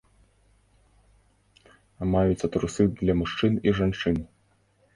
Маюцца трусы для мужчын і жанчын.